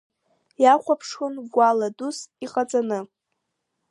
Иахәаԥшуан гәала дус иҟаҵаны.